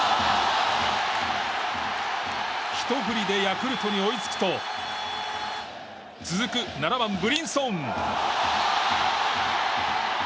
ひと振りでヤクルトに追いつくと続く７番、ブリンソン。